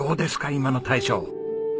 今の大将。